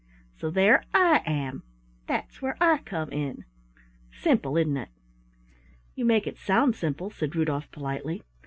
So there I am. That's where I come in. Simple, isn't it?" "You make it sound simple," said Rudolf politely.